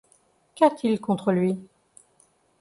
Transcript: Qu’a-t-il contre lui ?